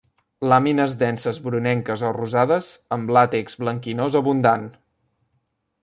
Làmines denses brunenques o rosades amb làtex blanquinós abundant.